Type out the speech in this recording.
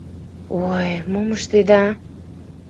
Ой, мом ыштеда?!.